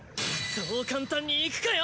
そう簡単にいくかよ！